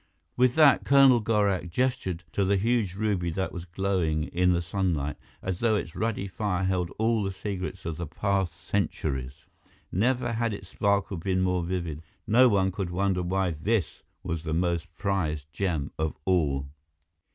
With that, Colonel Gorak gestured to the huge ruby that was glowing in the sunlight as though its ruddy fire held all the secrets of the past centuries. Never had its sparkle been more vivid. No one could wonder why this was the most prized gem of all.